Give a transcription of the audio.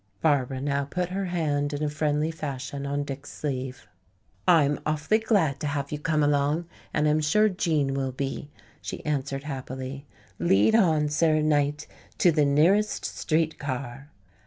Barbara now put her hand in a friendly fashion on Dick's sleeve. "I am awfully glad to have you come along and I am sure Gene will be," she answered happily. "Lead on, Sir Knight, to the nearest street car."